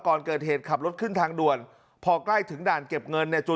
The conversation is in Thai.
ก่อนเกิดเหตุขับรถขึ้นทางด่วนพอใกล้ถึงด่านเก็บเงินเนี่ยจู่